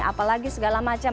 apalagi segala macam